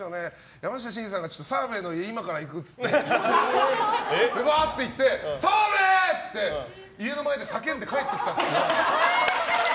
山下真司さんが澤部の家今から行くって言ってバーッて行って澤部って言って、家の前で叫んで帰ってきたっていう。